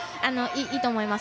いいと思います。